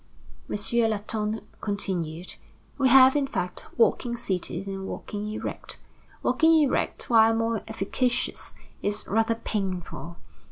M. Latonne continued: "We have, in fact, walking seated and walking erect. Walking erect, while more efficacious, is rather painful.